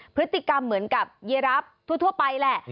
พฤติกรรมเหมือนกับเยีรับทั่วไปแหละ